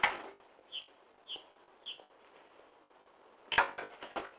キャンプ！